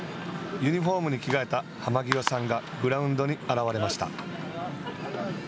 ユニホームに着替えた濱涯さんがグラウンドに現れました。